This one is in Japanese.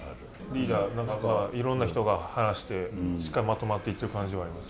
リーダー、いろんな人が話してしっかりまとまっていってる感じはあります。